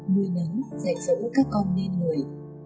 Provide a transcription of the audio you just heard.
nuôi nấn dạy dấu các con nên người